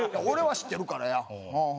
俺は知ってるからや。